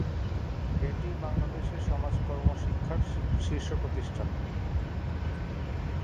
এটি বাংলাদেশের সমাজকর্ম শিক্ষার শীর্ষ প্রতিষ্ঠান।